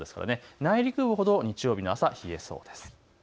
内陸部ほど日曜日の朝、冷えそうです。